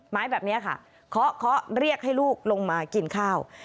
ไม้แบบนี้ค่ะเคาะเคาะเรียกให้ลูกลงมากินข้าว